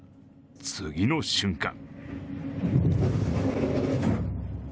次の瞬間